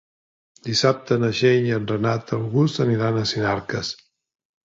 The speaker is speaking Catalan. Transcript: Dissabte na Txell i en Renat August aniran a Sinarques.